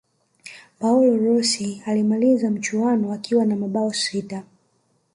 paolo rossi alimaliza michuano akiwa na mabao sita